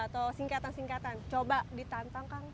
atau singkatan singkatan coba ditantang kang